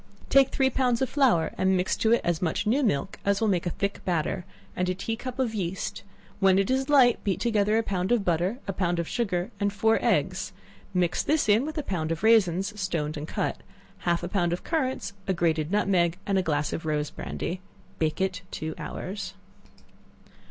Take three pounds of flour, and mix to it as much new milk as will make a thick batter, and a tea cup of yeast; when it is light, beat together a pound of butter, a pound of sugar, and four eggs; mix this in with a pound of raisins, stoned and cut, half a pound of currants, a grated nutmeg, and a glass of rose brandy; bake it two hours.